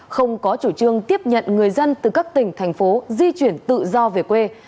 không có chủ trương tiếp nhận người dân từ các tỉnh thành phố di chuyển tự do về quê